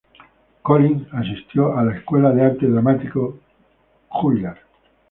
Collins asistió a la Escuela de Arte Dramático Juilliard.